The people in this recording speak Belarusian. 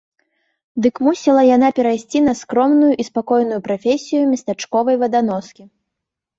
Дык мусіла яна перайсці на скромную і спакойную прафесію местачковай ваданоскі.